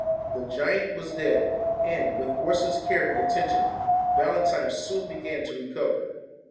The giant was dead ; and, with Orson's care and attention, Valentine soon began to recover.